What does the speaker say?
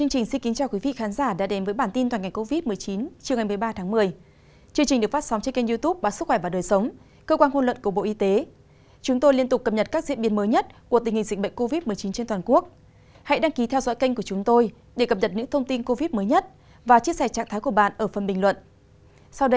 hãy đăng ký kênh của chúng tôi để cập nhật những thông tin covid một mươi chín và chia sẻ trạng thái của bạn ở phần bình luận